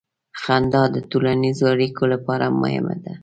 • خندا د ټولنیزو اړیکو لپاره مهمه ده.